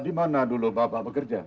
di mana dulu bapak bekerja